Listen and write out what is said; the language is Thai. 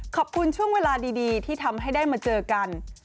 ช่วงเวลาดีที่ทำให้ได้มาเจอกัน